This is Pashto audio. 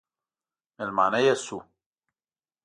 مېلمانه یې شو.